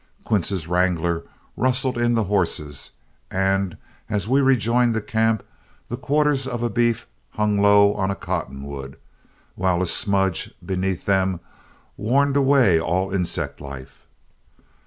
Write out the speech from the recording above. Quince's wrangler rustled in the horses, and as we rejoined the camp the quarters of a beef hung low on a cottonwood, while a smudge beneath them warned away all insect life.